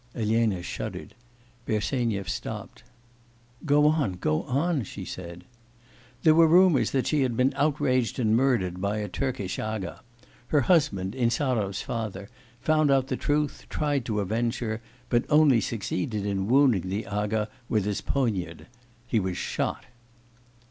Elena shuddered. Bersenyev stopped. 'Go on, go on,' she said. 'There were rumours that she had been outraged and murdered by a Turkish aga; her husband, Insarov's father, found out the truth, tried to avenge her, but only succeeded in wounding the aga with his poniard.... He was shot.